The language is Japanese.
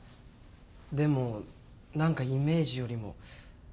でも何かイメージよりも。